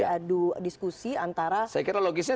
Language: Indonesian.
ada diskusi antara pak jokowi dan juga pak prabowo